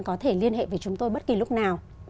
có thể liên hệ với chúng tôi bất kỳ lúc nào